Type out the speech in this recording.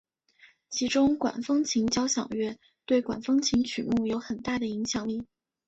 其中管风琴交响乐对管风琴曲目有很大的影响力。